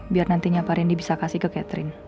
biar nantinya pak rendy bisa kasih ke catherine